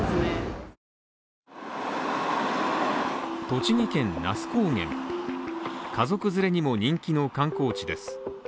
栃木県那須高原家族連れにも人気の観光地です。